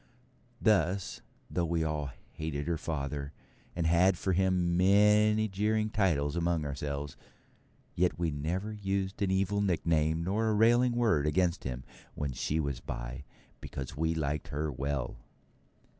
Thus, though we all hated her father, and had for him many jeering titles among ourselves; yet we never used an evil nickname nor a railing word against him when she was by, because we liked her well.